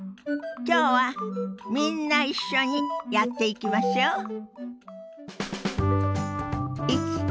今日はみんな一緒にやっていきましょう。